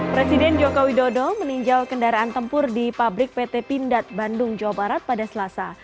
presiden jokowi dodo meninjau kendaraan tempur di pabrik pt pindad bandung jawa barat pada selasa